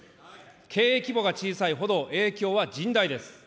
経営規模が小さいほど、影響は甚大です。